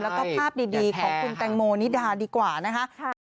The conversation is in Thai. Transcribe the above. แล้วก็ภาพดีของคุณแตงโมนิดาดีกว่านะคะ